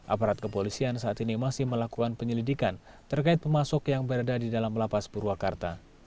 aparat kepolisian saat ini masih melakukan penyelidikan terkait pemasok yang berada di dalam lapas purwakarta